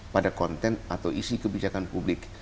pada konten atau isi kebijakan publik